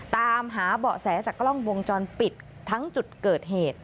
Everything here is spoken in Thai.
ตามหาเบาะแสจากกล้องวงจรปิดทั้งจุดเกิดเหตุ